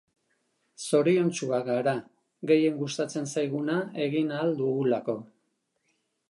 Zoriontsuak gara, gehien gustatzen zaiguna egin ahal dugulako.